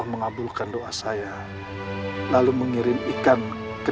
karena satu verk construk tanpa botong uniqu pawah